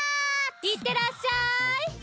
いってらっしゃい！